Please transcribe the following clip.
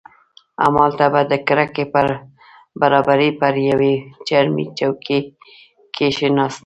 همالته به د کړکۍ پر برابري پر یوې چرمي چوکۍ کښېناستم.